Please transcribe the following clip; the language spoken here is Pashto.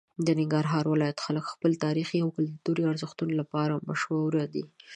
د ننګرهار ولایت خلک د خپلو تاریخي او کلتوري ارزښتونو لپاره مشهور دي.